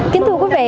kính thưa quý vị